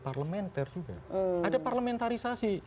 parlementer juga ada parlamentarisasi